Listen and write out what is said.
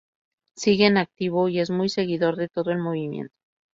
Sigue en activo y es muy seguidor de todo el movimiento.